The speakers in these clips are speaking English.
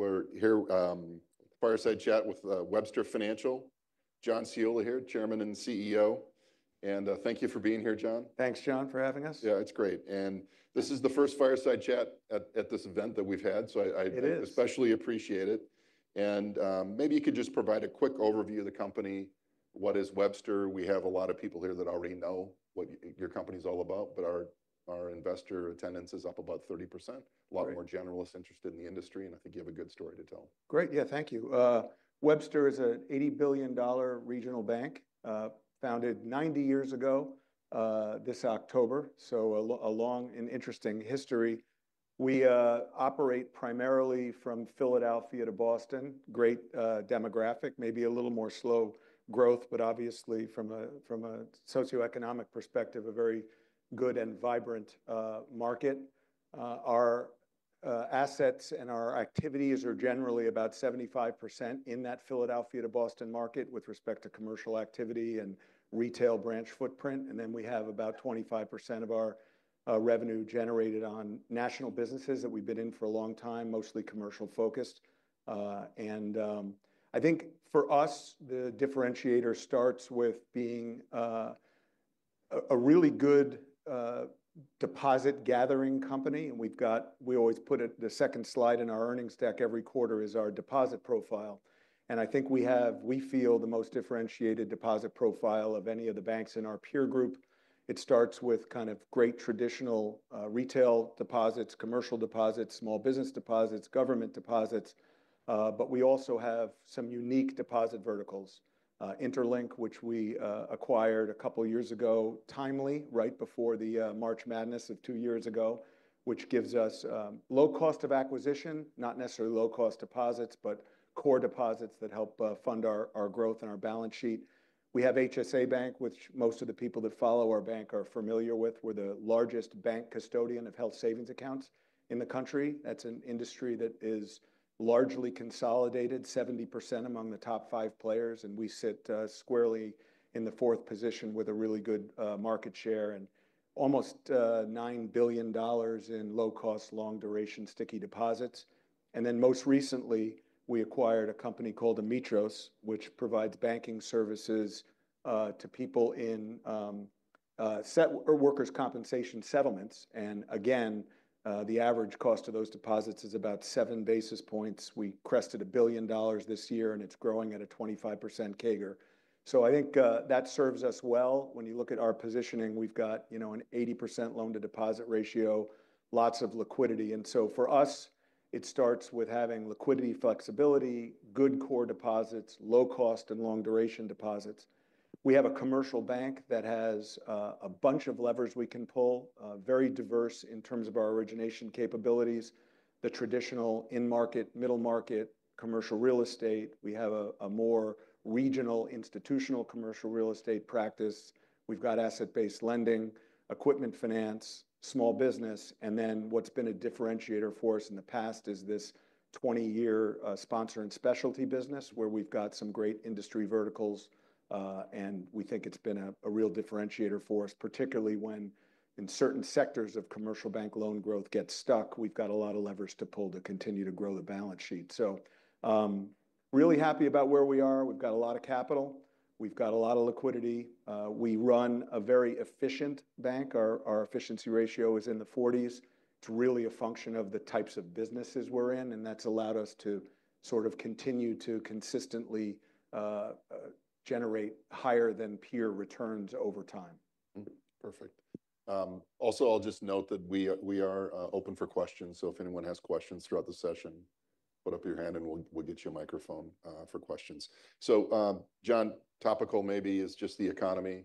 We're here, fireside chat with Webster Financial. John Ciulla here, Chairman and CEO. And thank you for being here, John. Thanks, John, for having us. Yeah, it's great. And this is the first fireside chat at this event that we've had, so I especially appreciate it. And, maybe you could just provide a quick overview of the company. What is Webster? We have a lot of people here that already know what your company's all about, but our investor attendance is up about 30%. A lot more generalists interested in the industry, and I think you have a good story to tell. Great. Yeah, thank you. Webster is an $80 billion regional bank, founded 90 years ago, this October. So, a long and interesting history. We operate primarily from Philadelphia to Boston. Great demographic, maybe a little more slow growth, but obviously from a socioeconomic perspective, a very good and vibrant market. Our assets and our activities are generally about 75% in that Philadelphia to Boston market with respect to commercial activity and retail branch footprint. And then we have about 25% of our revenue generated on national businesses that we've been in for a long time, mostly commercial focused. And I think for us, the differentiator starts with being a really good deposit gathering company. And we've got we always put it, the second slide in our earnings deck every quarter is our deposit profile. I think we have. We feel the most differentiated deposit profile of any of the banks in our peer group. It starts with kind of great traditional retail deposits, commercial deposits, small business deposits, government deposits. But we also have some unique deposit verticals, IntraFi, which we acquired a couple of years ago, timely, right before the March madness of two years ago, which gives us low cost of acquisition, not necessarily low cost deposits, but core deposits that help fund our growth and our balance sheet. We have HSA Bank, which most of the people that follow our bank are familiar with. We're the largest bank custodian of health savings accounts in the country. That's an industry that is largely consolidated, 70% among the top five players. We sit squarely in the fourth position with a really good market share and almost $9 billion in low cost, long duration sticky deposits. Then most recently, we acquired a company called Ametros, which provides banking services to people in settlement or workers' compensation settlements. Again, the average cost of those deposits is about 7 bps. We crossed a billion dollars this year, and it's growing at a 25% CAGR. I think that serves us well. When you look at our positioning, we've got, you know, an 80% loan to deposit ratio, lots of liquidity. For us, it starts with having liquidity flexibility, good core deposits, low cost and long duration deposits. We have a commercial bank that has a bunch of levers we can pull, very diverse in terms of our origination capabilities, the traditional in-market, middle market, commercial real estate. We have a more regional institutional commercial real estate practice. We've got asset-based lending, equipment finance, small business, and then what's been a differentiator for us in the past is this 20-year sponsor and specialty business where we've got some great industry verticals, and we think it's been a real differentiator for us, particularly when in certain sectors of commercial bank loan growth gets stuck, we've got a lot of levers to pull to continue to grow the balance sheet. So, really happy about where we are. We've got a lot of capital. We've got a lot of liquidity. We run a very efficient bank. Our efficiency ratio is in the 40s. It's really a function of the types of businesses we're in, and that's allowed us to sort of continue to consistently generate higher than peer returns over time. Perfect. Also, I'll just note that we are open for questions. So if anyone has questions throughout the session, put up your hand and we'll get you a microphone for questions. So, John, topical maybe is just the economy.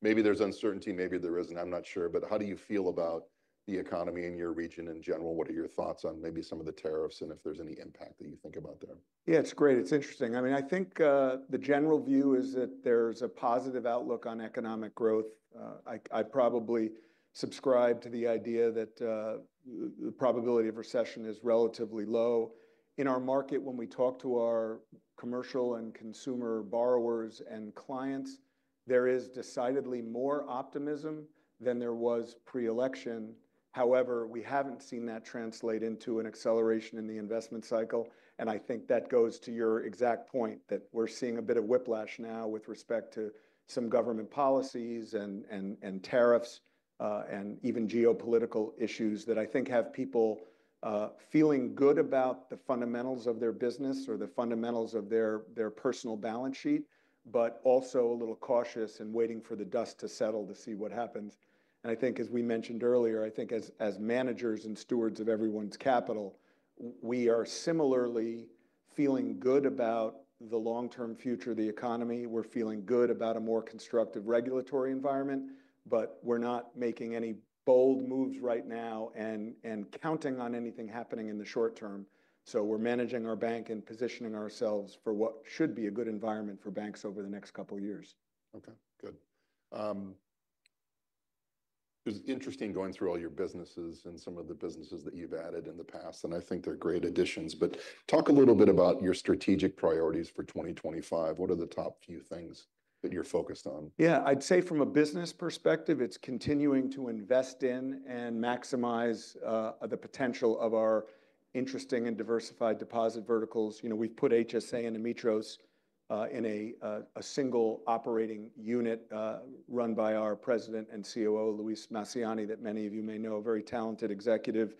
Maybe there's uncertainty, maybe there isn't, I'm not sure, but how do you feel about the economy in your region in general? What are your thoughts on maybe some of the tariffs and if there's any impact that you think about there? Yeah, it's great. It's interesting. I mean, I think the general view is that there's a positive outlook on economic growth. I probably subscribe to the idea that the probability of recession is relatively low. In our market, when we talk to our commercial and consumer borrowers and clients, there is decidedly more optimism than there was pre-election. However, we haven't seen that translate into an acceleration in the investment cycle. And I think that goes to your exact point that we're seeing a bit of whiplash now with respect to some government policies and tariffs, and even geopolitical issues that I think have people feeling good about the fundamentals of their business or the fundamentals of their personal balance sheet, but also a little cautious and waiting for the dust to settle to see what happens. I think, as we mentioned earlier, as managers and stewards of everyone's capital, we are similarly feeling good about the long-term future of the economy. We're feeling good about a more constructive regulatory environment, but we're not making any bold moves right now and counting on anything happening in the short term, so we're managing our bank and positioning ourselves for what should be a good environment for banks over the next couple of years. Okay, good. It was interesting going through all your businesses and some of the businesses that you've added in the past, and I think they're great additions, but talk a little bit about your strategic priorities for 2025. What are the top few things that you're focused on? Yeah, I'd say from a business perspective, it's continuing to invest in and maximize the potential of our interesting and diversified deposit verticals. You know, we've put HSA and Ametros in a single operating unit, run by our President and COO, Luis Massiani, that many of you may know, a very talented executive.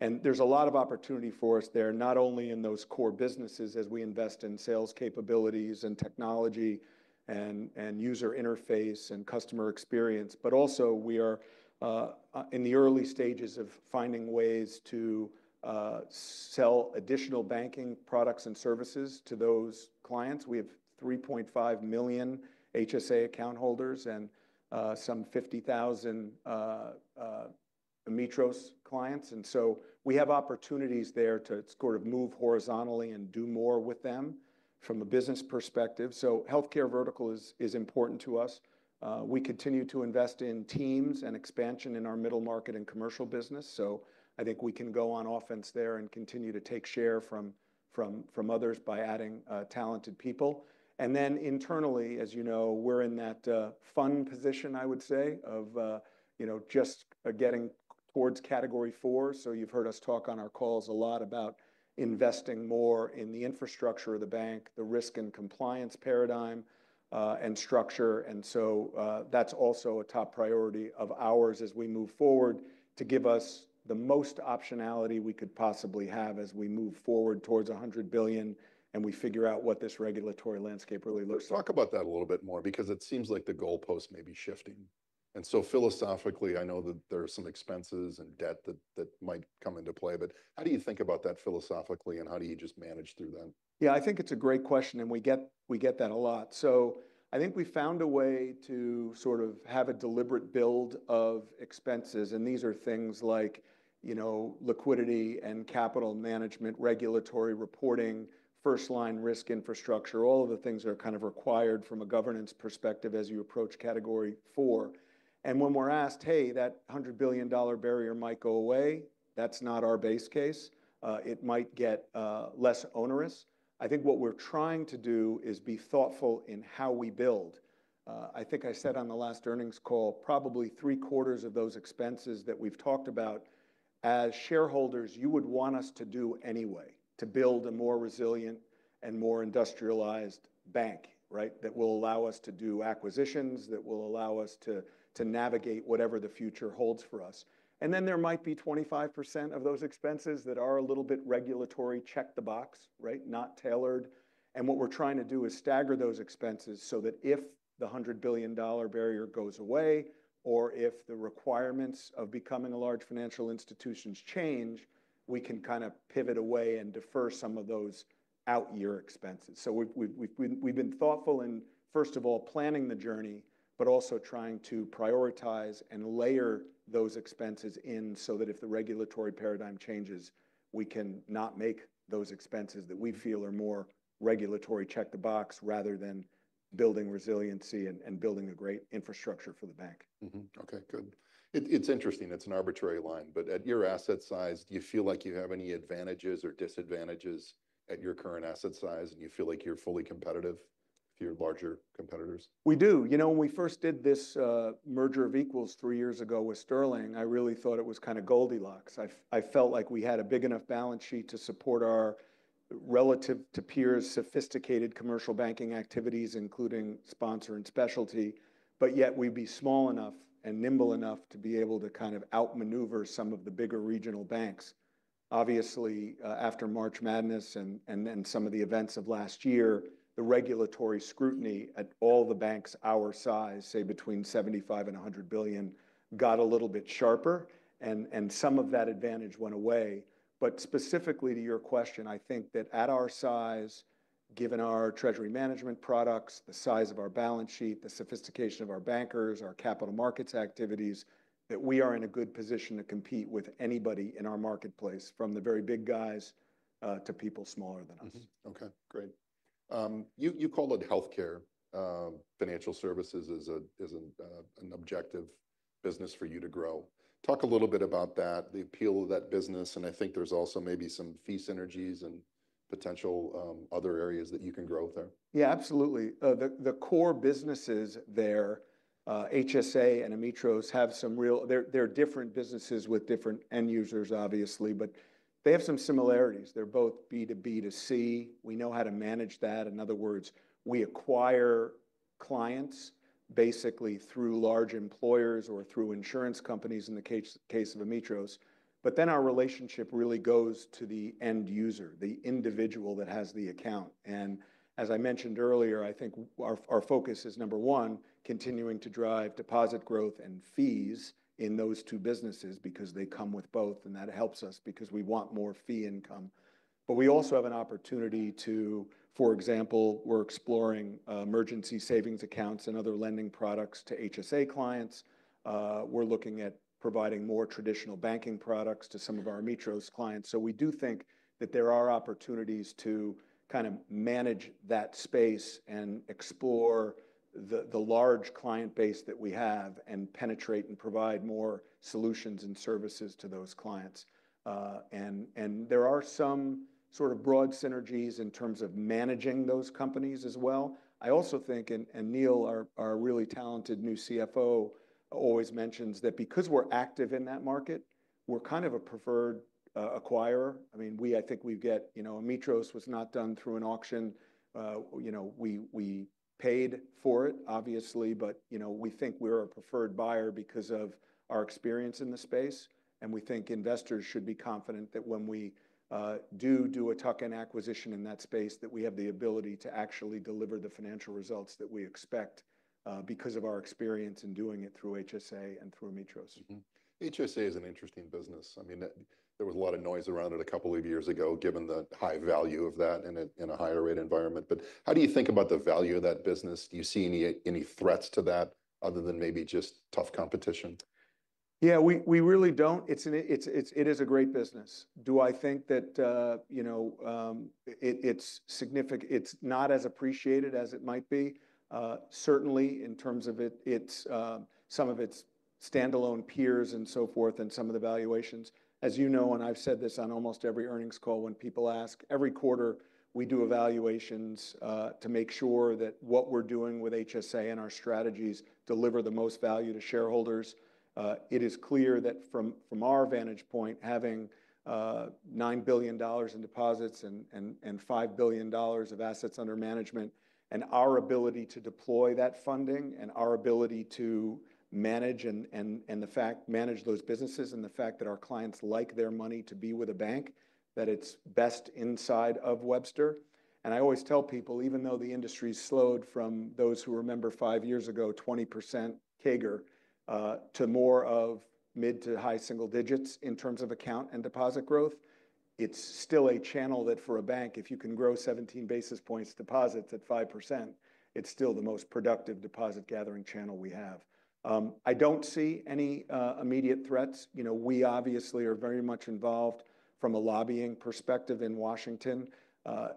And there's a lot of opportunity for us there, not only in those core businesses as we invest in sales capabilities and technology and user interface and customer experience, but also we are in the early stages of finding ways to sell additional banking products and services to those clients. We have 3.5 million HSA account holders and some 50,000 Ametros clients. And so we have opportunities there to sort of move horizontally and do more with them from a business perspective. So healthcare vertical is important to us. We continue to invest in teams and expansion in our middle market and commercial business. So I think we can go on offense there and continue to take share from others by adding talented people. And then internally, as you know, we're in that fun position, I would say, of you know just getting towards category four. So you've heard us talk on our calls a lot about investing more in the infrastructure of the bank, the risk and compliance paradigm, and structure. And so, that's also a top priority of ours as we move forward to give us the most optionality we could possibly have as we move forward towards a hundred billion and we figure out what this regulatory landscape really looks like. Let's talk about that a little bit more because it seems like the goalpost may be shifting. And so philosophically, I know that there are some expenses and debt that might come into play, but how do you think about that philosophically and how do you just manage through them? Yeah, I think it's a great question and we get, we get that a lot. So I think we found a way to sort of have a deliberate build of expenses. And these are things like, you know, liquidity and capital management, regulatory reporting, first line risk infrastructure, all of the things that are kind of required from a governance perspective as you approach category four. And when we're asked, hey, that a $100 billion barrier might go away, that's not our base case. It might get less onerous. I think what we're trying to do is be thoughtful in how we build. I think I said on the last earnings call, probably 3/4 of those expenses that we've talked about as shareholders, you would want us to do anyway to build a more resilient and more industrialized bank, right? That will allow us to do acquisitions, that will allow us to navigate whatever the future holds for us. And then there might be 25% of those expenses that are a little bit regulatory check the box, right? Not tailored. And what we're trying to do is stagger those expenses so that if the $100 billion barrier goes away or if the requirements of becoming a large financial institution change, we can kind of pivot away and defer some of those out year expenses. So we've been thoughtful in, first of all, planning the journey, but also trying to prioritize and layer those expenses in so that if the regulatory paradigm changes, we can not make those expenses that we feel are more regulatory check the box rather than building resiliency and building a great infrastructure for the bank. Okay, good. It's interesting. It's an arbitrary line, but at your asset size, do you feel like you have any advantages or disadvantages at your current asset size and you feel like you're fully competitive to your larger competitors? We do. You know, when we first did this merger of equals three years ago with Sterling, I really thought it was kind of Goldilocks. I felt like we had a big enough balance sheet to support our relative to peers' sophisticated commercial banking activities, including sponsor and specialty, but yet we'd be small enough and nimble enough to be able to kind of outmaneuver some of the bigger regional banks. Obviously, after March madness and some of the events of last year, the regulatory scrutiny at all the banks our size, say between 75 billion and 100 billion, got a little bit sharper and some of that advantage went away. But specifically to your question, I think that at our size, given our treasury management products, the size of our balance sheet, the sophistication of our bankers, our capital markets activities, that we are in a good position to compete with anybody in our marketplace from the very big guys, to people smaller than us. Okay, great. You called it Healthcare Financial Services is an objective business for you to grow. Talk a little bit about that, the appeal of that business. And I think there's also maybe some fee synergies and potential other areas that you can grow there. Yeah, absolutely. The core businesses there, HSA and Ametros, have some real. They're different businesses with different end users, obviously, but they have some similarities. They're both B2B to C. We know how to manage that. In other words, we acquire clients basically through large employers or through insurance companies in the case of Ametros. But then our relationship really goes to the end user, the individual that has the account. And as I mentioned earlier, I think our focus is number one, continuing to drive deposit growth and fees in those two businesses because they come with both. And that helps us because we want more fee income. But we also have an opportunity to, for example, we're exploring emergency savings accounts and other lending products to HSA clients. We're looking at providing more traditional banking products to some of our Ametros clients. So we do think that there are opportunities to kind of manage that space and explore the large client base that we have and penetrate and provide more solutions and services to those clients. And there are some sort of broad synergies in terms of managing those companies as well. I also think, and Neal, our really talented new CFO always mentions that because we're active in that market, we're kind of a preferred acquirer. I mean, I think we've got, you know, Ametros was not done through an auction. You know, we paid for it, obviously, but, you know, we think we're a preferred buyer because of our experience in the space. We think investors should be confident that when we do a tuck-in acquisition in that space, that we have the ability to actually deliver the financial results that we expect, because of our experience in doing it through HSA and through Ametros. HSA is an interesting business. I mean, there was a lot of noise around it a couple of years ago, given the high value of that in a higher rate environment. But how do you think about the value of that business? Do you see any threats to that other than maybe just tough competition? Yeah, we really don't. It is a great business. Do I think that, you know, it's significant, it's not as appreciated as it might be, certainly in terms of some of its standalone peers and so forth and some of the valuations. As you know, and I've said this on almost every earnings call when people ask, every quarter we do evaluations to make sure that what we're doing with HSA and our strategies deliver the most value to shareholders. It is clear that from our vantage point, having $9 billion in deposits and $5 billion of assets under management and our ability to deploy that funding and our ability to manage and the fact manage those businesses and the fact that our clients like their money to be with a bank, that it's best inside of Webster. I always tell people, even though the industry's slowed from those who remember five years ago, 20% CAGR, to more of mid to high single digits in terms of account and deposit growth, it's still a channel that for a bank, if you can grow 17 bps deposits at 5%, it's still the most productive deposit gathering channel we have. I don't see any immediate threats. You know, we obviously are very much involved from a lobbying perspective in Washington.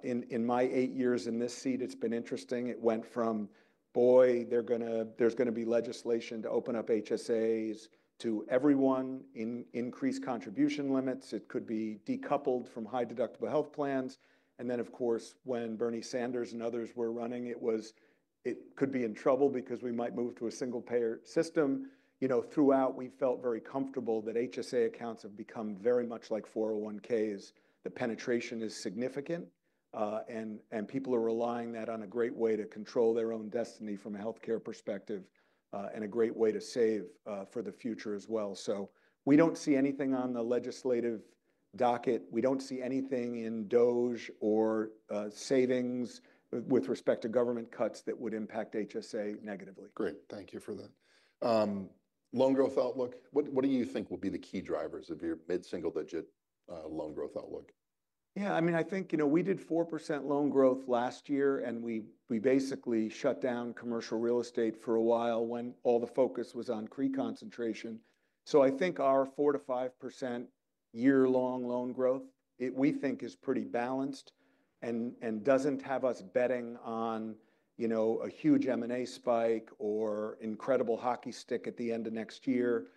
In my eight years in this seat, it's been interesting. It went from, boy, they're gonna, there's gonna be legislation to open up HSAs to everyone with increased contribution limits. It could be decoupled from high deductible health plans. Then, of course, when Bernie Sanders and others were running, it was, it could be in trouble because we might move to a single payer system. You know, throughout we felt very comfortable that HSA accounts have become very much like 401(k)s. The penetration is significant. And people are relying on that as a great way to control their own destiny from a healthcare perspective, and a great way to save for the future as well. So we don't see anything on the legislative docket. We don't see anything in DOGE or in savings with respect to government cuts that would impact HSA negatively. Great. Thank you for that. Loan growth outlook. What, what do you think will be the key drivers of your mid-single digit loan growth outlook? Yeah, I mean, I think, you know, we did 4% loan growth last year and we basically shut down commercial real estate for a while when all the focus was on CRE concentration. So I think our 4% to 5% year-long loan growth, we think is pretty balanced and doesn't have us betting on, you know, a huge M&A spike or incredible hockey stick at the end of next year.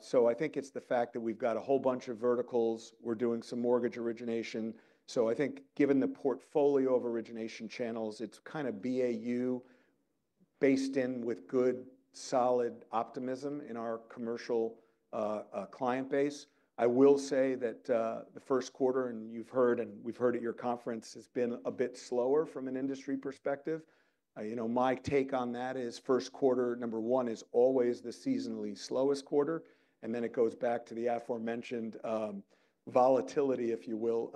So I think it's the fact that we've got a whole bunch of verticals. We're doing some mortgage origination. So I think given the portfolio of origination channels, it's kind of BAU based in with good solid optimism in our commercial client base. I will say that the first quarter, and you've heard, and we've heard at your conference, has been a bit slower from an industry perspective. You know, my take on that is first quarter, number one, is always the seasonally slowest quarter. And then it goes back to the aforementioned volatility, if you will,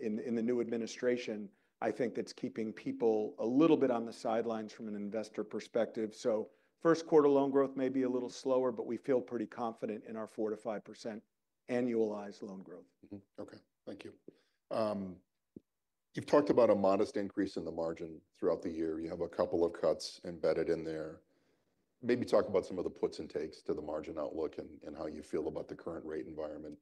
in the new administration. I think that's keeping people a little bit on the sidelines from an investor perspective. So first quarter loan growth may be a little slower, but we feel pretty confident in our 4% to 5% annualized loan growth. Okay. Thank you. You've talked about a modest increase in the margin throughout the year. You have a couple of cuts embedded in there. Maybe talk about some of the puts and takes to the margin outlook and, and how you feel about the current rate environment.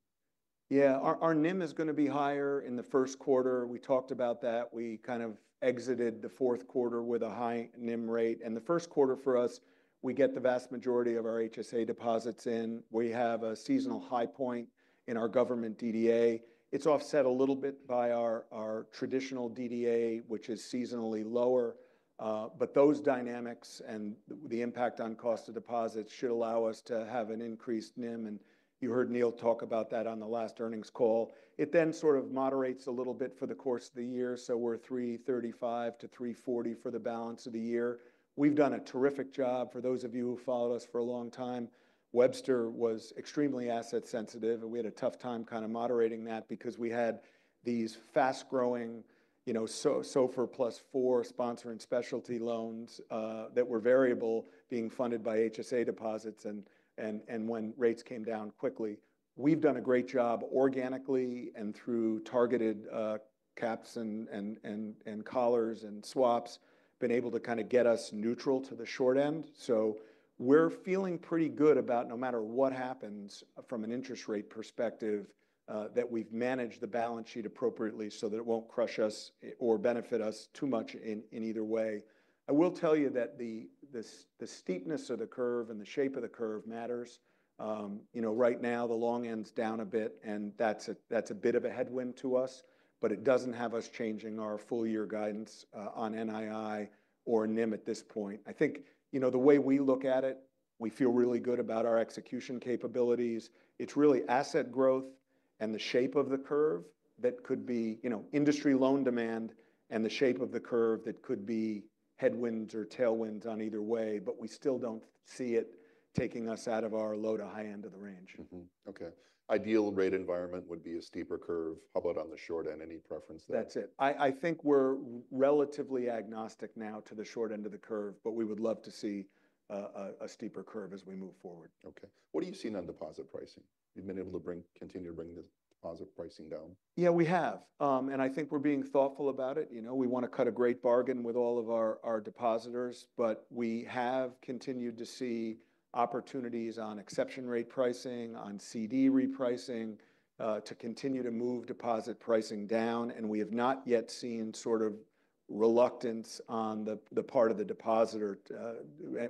Yeah, our NIM is gonna be higher in the first quarter. We talked about that. We kind of exited the fourth quarter with a high NIM rate. And the first quarter for us, we get the vast majority of our HSA deposits in. We have a seasonal high point in our government DDA. It's offset a little bit by our traditional DDA, which is seasonally lower. But those dynamics and the impact on cost of deposits should allow us to have an increased NIM. And you heard Neal talk about that on the last earnings call. It then sort of moderates a little bit for the course of the year. So we're 335 to 340 for the balance of the year. We've done a terrific job for those of you who followed us for a long time. Webster was extremely asset sensitive and we had a tough time kind of moderating that because we had these fast growing, you know, SOFR +4 sponsor and specialty loans, that were variable being funded by HSA deposits. And when rates came down quickly, we've done a great job organically and through targeted caps and collars and swaps, been able to kind of get us neutral to the short end. So we're feeling pretty good about no matter what happens from an interest rate perspective, that we've managed the balance sheet appropriately so that it won't crush us or benefit us too much in either way. I will tell you that the steepness of the curve and the shape of the curve matters. You know, right now the long end's down a bit and that's a, that's a bit of a headwind to us, but it doesn't have us changing our full year guidance on NII or NIM at this point. I think, you know, the way we look at it, we feel really good about our execution capabilities. It's really asset growth and the shape of the curve that could be, you know, industry loan demand and the shape of the curve that could be headwinds or tailwinds on either way, but we still don't see it taking us out of our low to high end of the range. Okay. Ideal rate environment would be a steeper curve. How about on the short end? Any preference there? That's it. I think we're relatively agnostic now to the short end of the curve, but we would love to see a steeper curve as we move forward. Okay. What are you seeing on deposit pricing? You've been able to bring, continue to bring the deposit pricing down? Yeah, we have, and I think we're being thoughtful about it. You know, we wanna cut a great bargain with all of our, our depositors, but we have continued to see opportunities on exception rate pricing, on CD repricing, to continue to move deposit pricing down. And we have not yet seen sort of reluctance on the, the part of the depositor,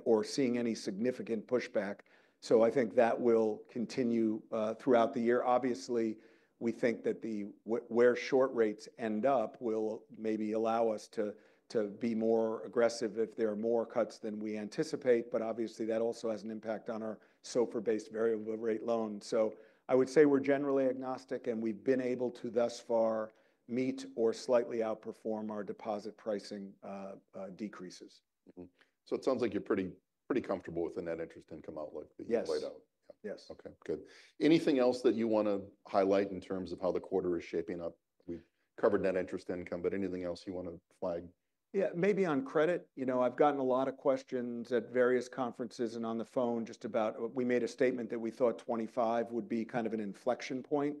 or seeing any significant pushback. So I think that will continue throughout the year. Obviously, we think that the, what, where short rates end up will maybe allow us to, to be more aggressive if there are more cuts than we anticipate. But obviously that also has an impact on our SOFR-based variable rate loan. So I would say we're generally agnostic and we've been able to thus far meet or slightly outperform our deposit pricing decreases. So it sounds like you're pretty, pretty comfortable with the net interest income outlook that you've laid out. Yes. Yes. Okay. Good. Anything else that you wanna highlight in terms of how the quarter is shaping up? We've covered net interest income, but anything else you wanna flag? Yeah, maybe on credit. You know, I've gotten a lot of questions at various conferences and on the phone just about, we made a statement that we thought 2025 would be kind of an inflection point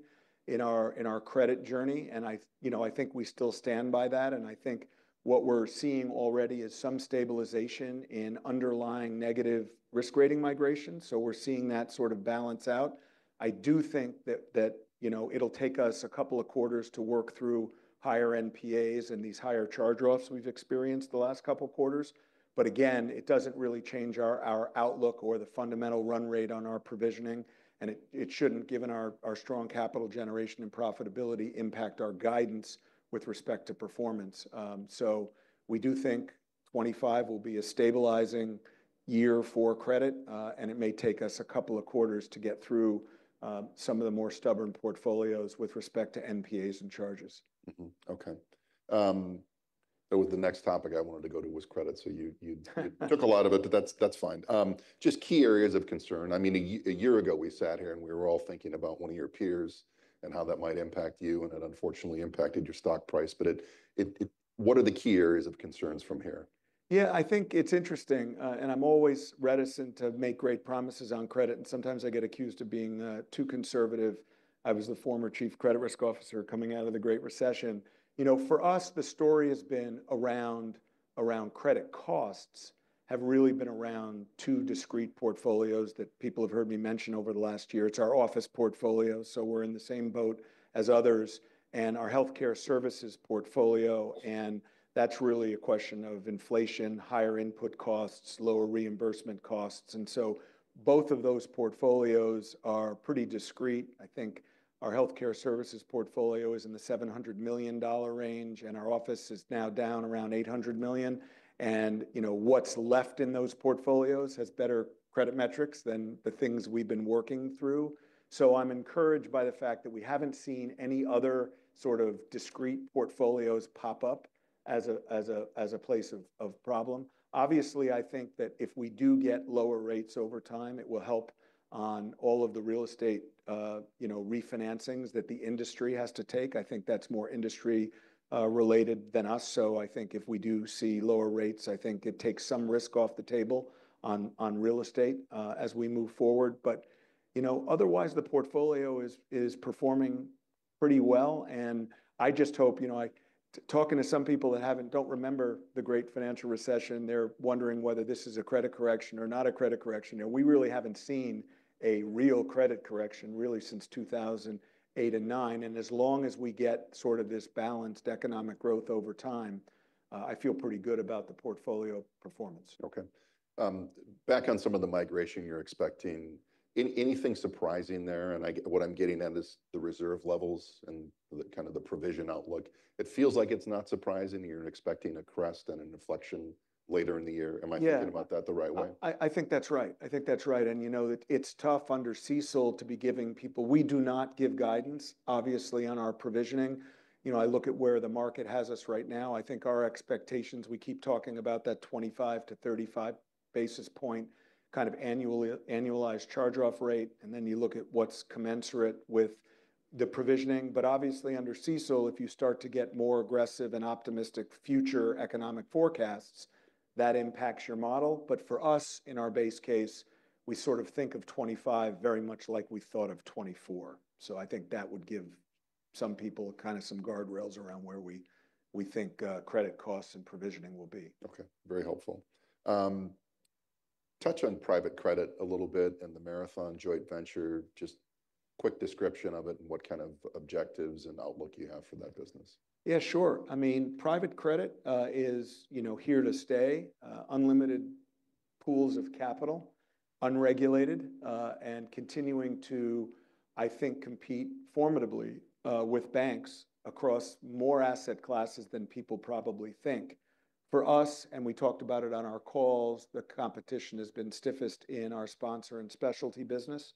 in our credit journey. And I, you know, I think we still stand by that. And I think what we're seeing already is some stabilization in underlying negative risk rating migration. So we're seeing that sort of balance out. I do think that, you know, it'll take us a couple of quarters to work through higher NPAs and these higher charge-offs we've experienced the last couple quarters. But again, it doesn't really change our outlook or the fundamental run rate on our provisioning. And it shouldn't, given our strong capital generation and profitability impact our guidance with respect to performance. So we do think 2025 will be a stabilizing year for credit. And it may take us a couple of quarters to get through some of the more stubborn portfolios with respect to NPAs and charges. Okay. That was the next topic I wanted to go to was credit. So you took a lot of it, but that's fine. Just key areas of concern. I mean, a year ago we sat here and we were all thinking about one of your peers and how that might impact you. And it unfortunately impacted your stock price, but it, what are the key areas of concerns from here? Yeah, I think it's interesting. And I'm always reticent to make great promises on credit. And sometimes I get accused of being too conservative. I was the former chief credit risk officer coming out of the Great Recession. You know, for us, the story has been around credit costs have really been around two discrete portfolios that people have heard me mention over the last year. It's our office portfolio. So we're in the same boat as others and our healthcare services portfolio. And that's really a question of inflation, higher input costs, lower reimbursement costs. And so both of those portfolios are pretty discrete. I think our healthcare services portfolio is in the $700 million range. And our office is now down around $800 million. And, you know, what's left in those portfolios has better credit metrics than the things we've been working through. So I'm encouraged by the fact that we haven't seen any other sort of discrete portfolios pop up as a place of problem. Obviously, I think that if we do get lower rates over time, it will help on all of the real estate, you know, refinancings that the industry has to take. I think that's more industry-related than us. So I think if we do see lower rates, I think it takes some risk off the table on real estate, as we move forward. But, you know, otherwise the portfolio is performing pretty well. And I just hope, you know, I'm talking to some people that don't remember the Great Recession, they're wondering whether this is a credit correction or not a credit correction. You know, we really haven't seen a real credit correction really since 2008 and 2009. As long as we get sort of this balanced economic growth over time, I feel pretty good about the portfolio performance. Okay. Back on some of the migration you're expecting, anything surprising there? And I, what I'm getting at is the reserve levels and the kind of the provision outlook. It feels like it's not surprising. You're expecting a crest and an inflection later in the year. Am I thinking about that the right way? Yeah, I think that's right. I think that's right. And you know, it's tough under CECL to be giving people, we do not give guidance, obviously on our provisioning. You know, I look at where the market has us right now. I think our expectations, we keep talking about that 25 to 35 bp kind of annual, annualized charge-off rate. And then you look at what's commensurate with the provisioning. But obviously under CECL, if you start to get more aggressive and optimistic future economic forecasts, that impacts your model. But for us in our base case, we sort of think of 2025 very much like we thought of 2024. So I think that would give some people kind of some guardrails around where we think, credit costs and provisioning will be. Okay. Very helpful. Touch on Private Credit a little bit and the Marathon Joint Venture, just quick description of it and what kind of objectives and outlook you have for that business. Yeah, sure. I mean, private credit is, you know, here to stay, unlimited pools of capital, unregulated, and continuing to, I think, compete formidably with banks across more asset classes than people probably think. For us, and we talked about it on our calls, the competition has been stiffest in our sponsor and specialty business.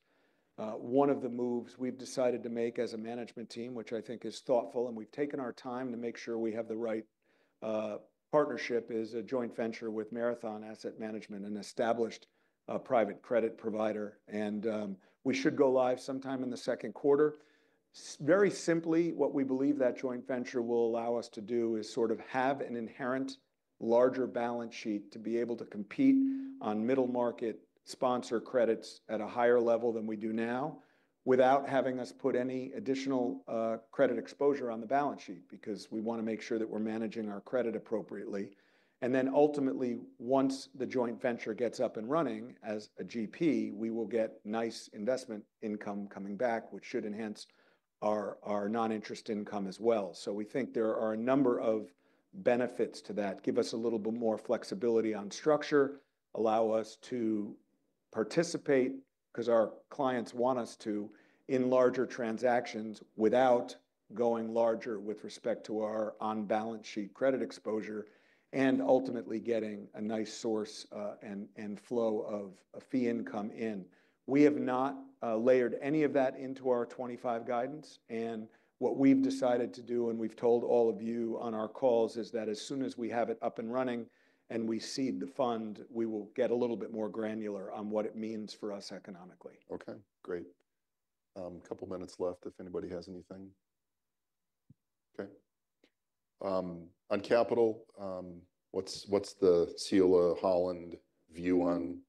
One of the moves we've decided to make as a management team, which I think is thoughtful, and we've taken our time to make sure we have the right partnership is a joint venture with Marathon Asset Management, an established private credit provider, and we should go live sometime in the second quarter. Very simply, what we believe that joint venture will allow us to do is sort of have an inherent larger balance sheet to be able to compete on middle market sponsor credits at a higher level than we do now without having us put any additional credit exposure on the balance sheet because we wanna make sure that we're managing our credit appropriately. Then ultimately, once the joint venture gets up and running as a GP, we will get nice investment income coming back, which should enhance our, our non-interest income as well. So we think there are a number of benefits to that. Give us a little bit more flexibility on structure, allow us to participate 'cause our clients want us to in larger transactions without going larger with respect to our on-balance sheet credit exposure and ultimately getting a nice source, and flow of fee income in. We have not layered any of that into our 2025 guidance. And what we've decided to do, and we've told all of you on our calls, is that as soon as we have it up and running and we seed the fund, we will get a little bit more granular on what it means for us economically. Okay. Great. Couple minutes left if anybody has anything. Okay. On capital, what's the Ciulla, Holland view on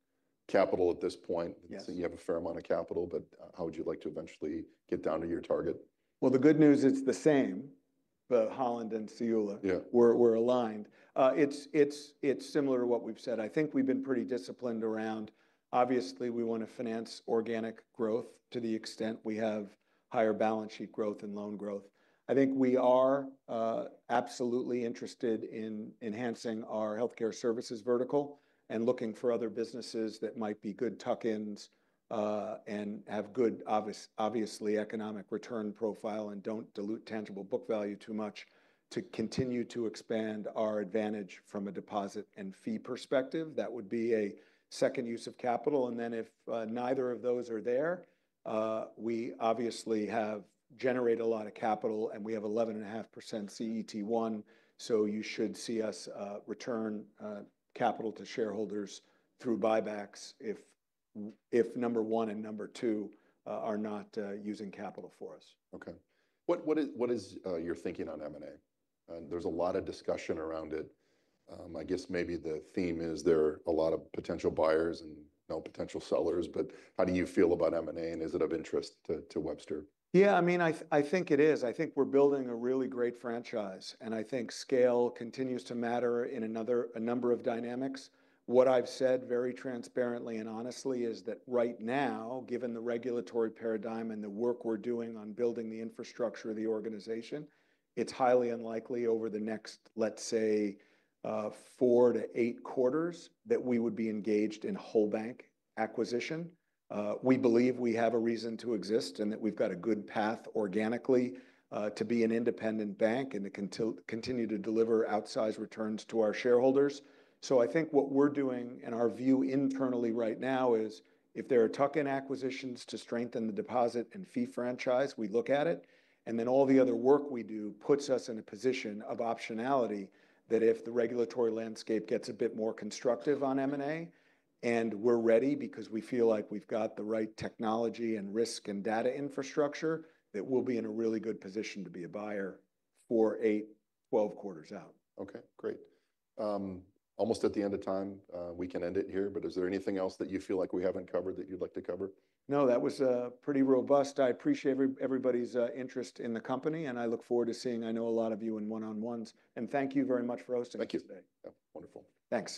capital at this point? You have a fair amount of capital, but how would you like to eventually get down to your target? The good news is the same, but Holland and Ciulla, we're aligned. It's similar to what we've said. I think we've been pretty disciplined around, obviously we wanna finance organic growth to the extent we have higher balance sheet growth and loan growth. I think we are absolutely interested in enhancing our healthcare services vertical and looking for other businesses that might be good tuck-ins, and have good, obviously economic return profile and don't dilute tangible book value too much to continue to expand our advantage from a deposit and fee perspective. That would be a second use of capital. And then if neither of those are there, we obviously have generated a lot of capital and we have 11.5% CET1. So you should see us return capital to shareholders through buybacks if number one and number two are not using capital for us. Okay. What is your thinking on M&A? There's a lot of discussion around it. I guess maybe the theme is there are a lot of potential buyers and no potential sellers, but how do you feel about M&A and is it of interest to Webster? Yeah, I mean, I think it is. I think we're building a really great franchise and I think scale continues to matter in another, a number of dynamics. What I've said very transparently and honestly is that right now, given the regulatory paradigm and the work we're doing on building the infrastructure of the organization, it's highly unlikely over the next, let's say, four to eight quarters that we would be engaged in whole bank acquisition. We believe we have a reason to exist and that we've got a good path organically, to be an independent bank and to continue to deliver outsized returns to our shareholders. So I think what we're doing and our view internally right now is if there are tuck-in acquisitions to strengthen the deposit and fee franchise, we look at it. Then all the other work we do puts us in a position of optionality that if the regulatory landscape gets a bit more constructive on M&A and we're ready because we feel like we've got the right technology and risk and data infrastructure, that we'll be in a really good position to be a buyer for eight, 12 quarters out. Okay. Great. Almost at the end of time, we can end it here, but is there anything else that you feel like we haven't covered that you'd like to cover? No, that was pretty robust. I appreciate everybody's interest in the company, and I look forward to seeing. I know a lot of you in one-on-ones, and thank you very much for hosting us today. Thank you. Wonderful. Thanks.